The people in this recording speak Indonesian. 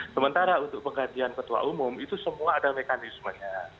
sementara untuk penggantian ketua umum itu semua ada mekanismenya